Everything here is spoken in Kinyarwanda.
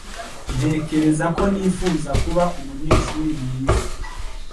Ntekereza ko nifuza kuba umunyeshuri mwiza.